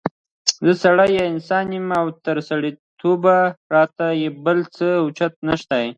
زه سړی یا انسان يم او تر سړیتوبه را ته بل څه اوچت نشته